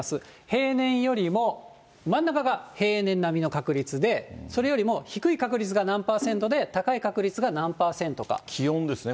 平年よりも、真ん中が平年並みの確率で、それよりも低い確率が何％で高い確率が何％か。